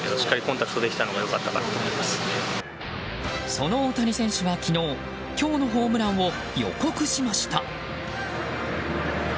その大谷選手は昨日今日のホームランを予告しました。